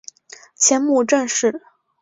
前母郑氏。